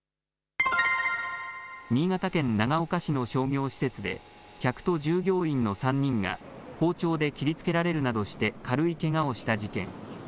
新潟県長岡市の商業施設で、客と従業員の３人が包丁で切りつけられるなどして軽いけがをした事件。